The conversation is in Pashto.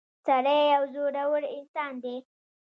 • سړی یو زړور انسان دی.